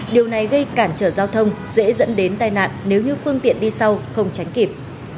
điều này gây cản trở giao thông dễ dẫn đến tai nạn nếu như phương tiện đi sau không tránh kịp